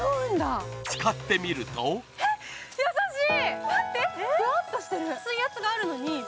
使ってみるとえっ、明るくない？